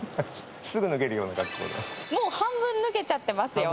もう半分脱げちゃってますよ。